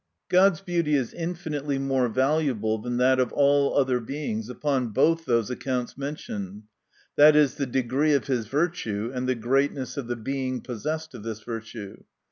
God's beauty is infinitely more valuable than that of all other Beings, upon both those accounts mentioned, viz., the degree of his virtue, and the great ness of the Being possessed of this virtue.